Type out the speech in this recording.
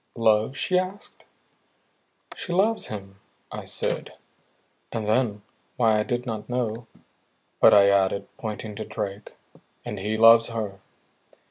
"Love?" she asked. "She loves him," I said; and then, why I did not know, but I added, pointing to Drake: "and he loves her."